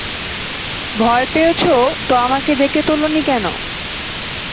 ভয় পেয়েছ তো আমাকে ডেকে তোল নি কেন?